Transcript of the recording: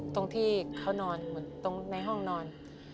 ตรงที่เขานอนเหมือนตรงในห้องนอน